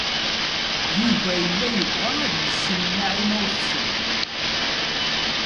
Yuba yella yebɣa ad yessen Naɛima u Ḥsen.